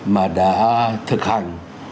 mà đã thực hành